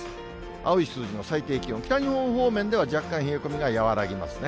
青い数字の最低気温、北日本方面では若干冷え込みが和らぎますね。